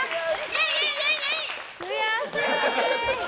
悔しい。